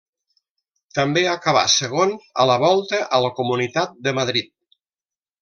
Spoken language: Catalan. També acabà segon a la Volta a la Comunitat de Madrid.